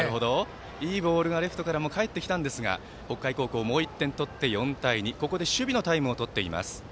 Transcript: いいボールがレフトからも返ってきたんですが北海高校、もう１点取って４対２、ここで守備のタイムをとっています。